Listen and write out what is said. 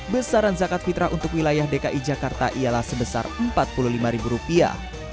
besaran zakat fitrah untuk wilayah dki jakarta ialah sebesar empat puluh lima ribu rupiah